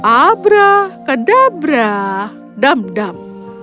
abra kadabra dam dam